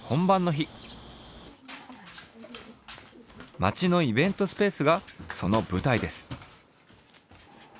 町のイベントスペースがそのぶたいです。